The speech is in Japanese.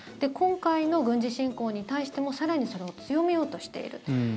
今回の軍事侵攻に対しても更にそれを強めようとしている。